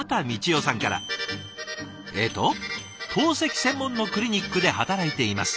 えっと「透析専門のクリニックで働いています。